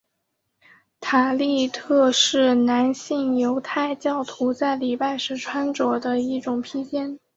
塔利特是男性犹太教徒在礼拜时穿着的一种披肩。